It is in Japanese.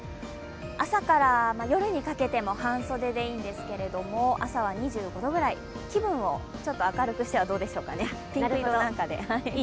朝から夜にかけても半袖でいいんですけれども、朝は２５度くらい、気分をちょっと明るくしてはどうでしょう、ピンク色とかで。